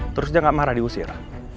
terus dia gak marah diusir